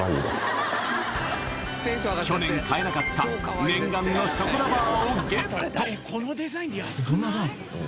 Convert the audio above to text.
去年買えなかった念願のショコラバーをゲット